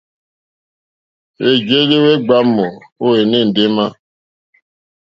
Hwèjèelì hwe gbàamù o ene ndema.